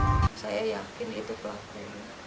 saya yakin itu berlaku